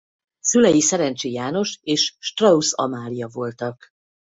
Szülei Szerencsi János és Strausz Amália voltak.